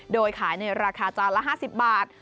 โดยขายในราคาจานละ๕๐บาท